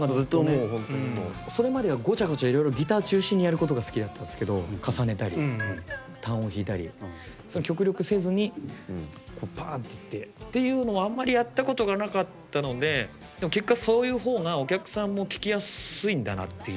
それまではごちゃごちゃいろいろギター中心にやることが好きだったんですけど重ねたり単音弾いたりそれを極力せずにこうパーンっていってっていうのをあんまりやったことがなかったのででも結果そういう方がお客さんも聴きやすいんだなっていう。